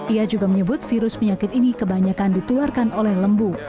ia juga menyebut virus penyakit ini kebanyakan ditularkan oleh lembu